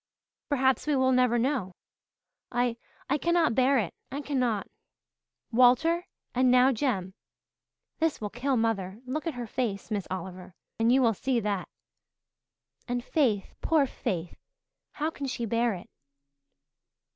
Perhaps we will never know. I I cannot bear it I cannot. Walter and now Jem. This will kill mother look at her face, Miss Oliver, and you will see that. And Faith poor Faith how can she bear it?"